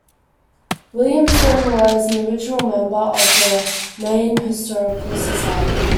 Williamson was an original member of the Maine Historical Society.